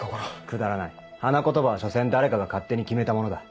くだらない花言葉はしょせん誰かが勝手に決めたものだ。